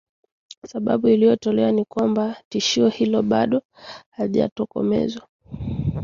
sababu iliyotolewa ni kwamba tishio hilo bado halijatokomezwa